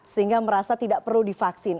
sehingga merasa tidak perlu divaksin